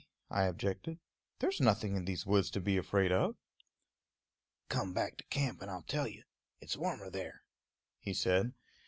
I objected. "There's nothing in these woods to be afraid of." "Come back to camp and I'll tell you. It's warmer there," he said.